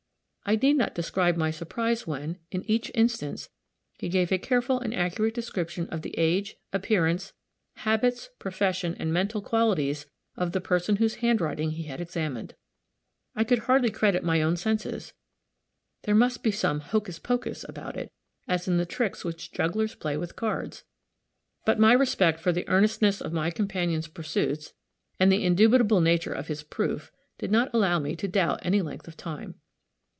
I need not describe my surprise when, in each instance, he gave a careful and accurate description of the age, appearance, habits, profession and mental qualities of the person whose handwriting he had examined. I could hardly credit my own senses; there must be some "hocus pocus" about it, as in the tricks which jugglers play with cards. But my respect for the earnestness of my companion's pursuits, and the indubitable nature of his proof, did not allow me to doubt any length of time.